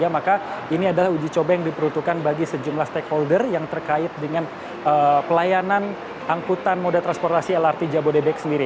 maka ini adalah uji coba yang diperuntukkan bagi sejumlah stakeholder yang terkait dengan pelayanan angkutan moda transportasi lrt jabodebek sendiri